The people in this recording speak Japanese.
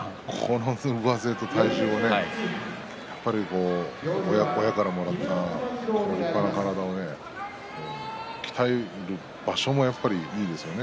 上背と体重を、親からもらった立派な体を鍛える場所もやっぱりいいですよね。